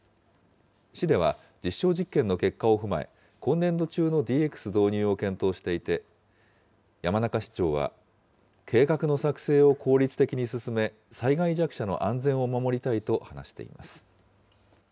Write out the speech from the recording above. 市では実証実験の結果を踏まえ、今年度中のＤＸ導入を検討していて、山中市長は、計画の作成を効率的に進め、災害弱者の安全を守りたいと話しています。